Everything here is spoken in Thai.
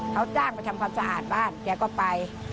เขาจ้างไปทำความสะอาดบ้านแกก็ไป